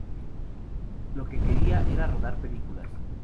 Lo que quería era rodar películas.